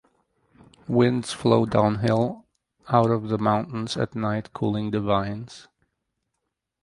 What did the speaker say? Winds flow downhill out of the mountains at night cooling the vines.